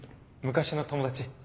昔の友達。